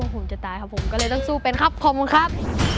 ผมจะตายครับผมก็เลยต้องสู้เป็นครับขอบคุณครับ